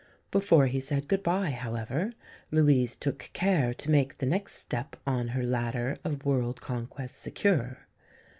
Before he said good bye, however, Louise took care to make the next step on her ladder of world conquest secure.